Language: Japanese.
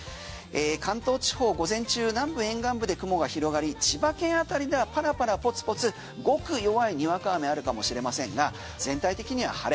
関東地方午前中、南部沿岸部で雲が広がり千葉県辺りではパラパラポツポツごく弱いにわか雨あるかもしれませんが全体的には晴れ。